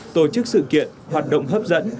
tổ chức sự kiện hoạt động hấp dẫn